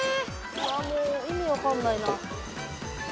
わあもう意味分かんないな。